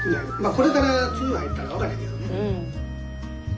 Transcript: これから梅雨入ったら分からへんけどね。